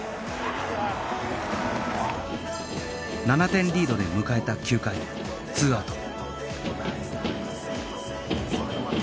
７点リードで迎えた９回２アウト